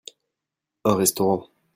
Un restaurant.